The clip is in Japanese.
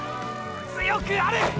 強くあれ！！